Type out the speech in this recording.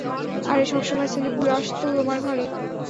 আরে, সবসময় ছেলেপুলে আসতো তোমার ঘরে।